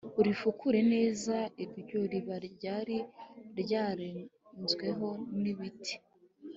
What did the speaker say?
urifukure neza." iryo riba ryari ryararenzweho n' ibiti,